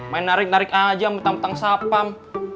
main narik narik aja mentang mentang sapam